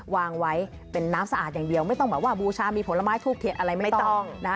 วางไว้เป็นน้ำสะอาดอย่างเดียวไม่ต้องแบบว่าบูชามีผลไม้ทูบเทียนอะไรไม่ต้องนะ